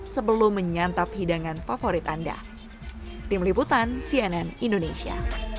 sebelum menyantap hidangan favorit anda tim liputan cnn indonesia